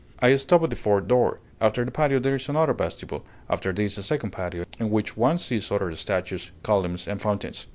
I stop at a fourth door: after the patio there is another vestibule, after this a second patio, in which one sees other statues, columns, and fountains.